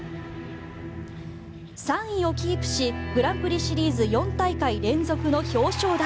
３位をキープしグランプリシリーズ４大会連続の表彰台。